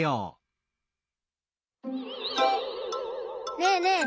ねえねえ！